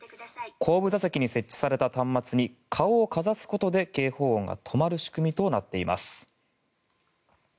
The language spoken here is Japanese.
後部座席に設置された端末に顔をかざすことで警報音が止まる仕組みとなっています。